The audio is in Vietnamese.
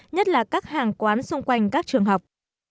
nhất là các hàng quán xung quanh các trường học